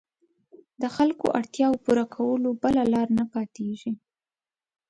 د خلکو اړتیاوو پوره کولو بله لاره نه پاتېږي.